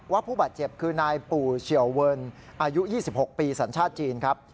ผู้บาดเจ็บคือนายปู่เฉียวเวิร์นอายุ๒๖ปีสัญชาติจีนครับ